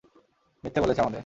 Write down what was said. মিথ্যে বলেছে আমাদের।